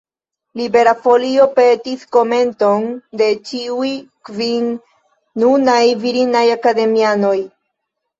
Libera Folio petis komenton de ĉiuj kvin nunaj virinaj akademianoj.